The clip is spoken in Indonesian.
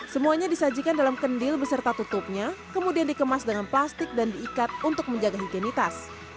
semuanya disajikan dalam kendil beserta tutupnya kemudian dikemas dengan plastik dan diikat untuk menjaga higienitas